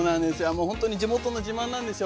もう本当に地元の自慢なんですよ。